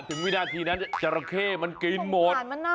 วินาทีนั้นจราเข้มันกินหมด